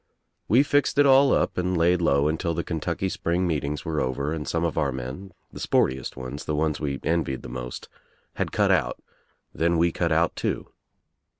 We fixed it all up and laid low until the Kentucky spring meetings were over and some of our men, the sportiest ones, the ones we envied the most, had cut out — then we cut out too.